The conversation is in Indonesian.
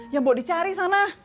ya mau dicari sana